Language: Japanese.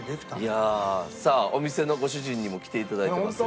いやあさあお店のご主人にも来て頂いてますが。